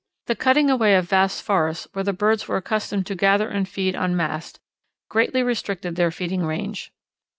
The cutting away of vast forests where the birds were accustomed to gather and feed on mast greatly restricted their feeding range.